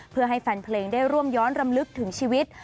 เพื่อให้แฟนเพลงได้ร่วมย้อนรำลึกถึงชีวิต